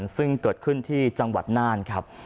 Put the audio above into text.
ซึ่งเกิดขึ้นที่จังหวัดน่านครับ